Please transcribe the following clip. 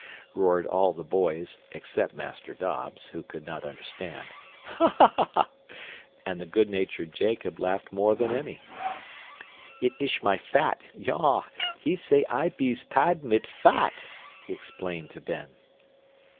roared all the boys except Master Dobbs, who could not understand. "Ha! ha!" and the good natured Jacob laughed more than any. "It ish my fat yaw he say I bees pad mit fat!" he explained to Ben.